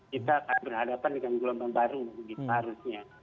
kita akan berhadapan dengan gelombang baru seharusnya